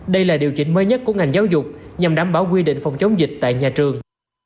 đây là điều chỉnh mới nhất của ngành giáo dục nhằm đảm bảo quy định phòng chống dịch tại nhà trường